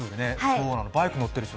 バイク乗っている人